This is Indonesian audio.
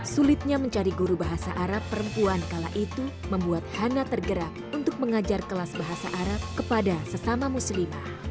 sulitnya mencari guru bahasa arab perempuan kala itu membuat hana tergerak untuk mengajar kelas bahasa arab kepada sesama muslimah